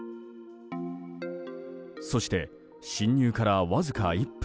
そして、侵入からわずか１分。